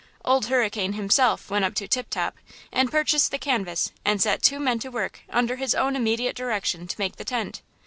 Old Hurricane himself went up to Tip Top and purchased the canvas and set two men to work under his own immediate direction to make the tent.